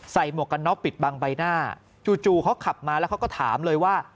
หมวกกันน็อกปิดบังใบหน้าจู่เขาขับมาแล้วเขาก็ถามเลยว่า